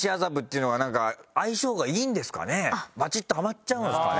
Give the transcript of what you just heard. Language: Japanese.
バチッとはまっちゃうんですかね？